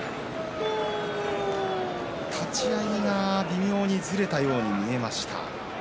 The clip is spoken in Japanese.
立ち合いが微妙にずれたように見えました。